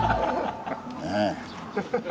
ねえ？